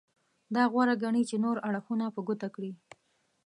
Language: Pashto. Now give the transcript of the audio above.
دا غوره ګڼي چې نور اړخونه په ګوته کړي.